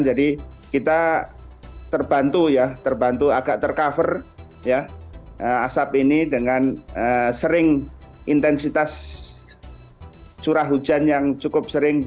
kita terbantu ya terbantu agak tercover asap ini dengan sering intensitas curah hujan yang cukup sering